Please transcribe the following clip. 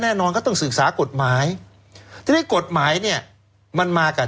แน่นอนก็ต้องศึกษากฎหมายทีนี้กฎหมายเนี่ยมันมากับ